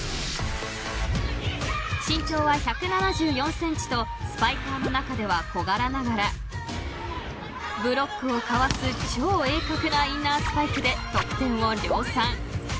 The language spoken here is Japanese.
［身長は１７４ｃｍとスパイカーの中では小柄ながらブロックをかわす超鋭角なインナースパイクで得点を量産］